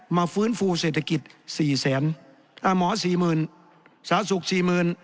ฟื้นฟูเศรษฐกิจสี่แสนอ่าหมอสี่หมื่นสาธารณสุขสี่หมื่น